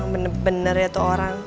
emang bener bener ya tuh orang